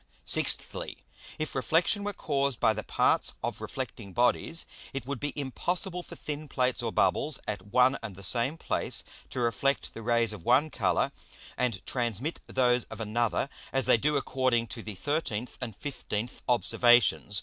Sixthly, If Reflexion were caused by the parts of reflecting Bodies, it would be impossible for thin Plates or Bubbles, at one and the same place, to reflect the Rays of one Colour, and transmit those of another, as they do according to the 13th and 15th Observations.